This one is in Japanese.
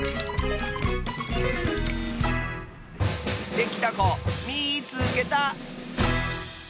できたこみいつけた！